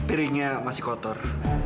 tuh piringnya masih kotor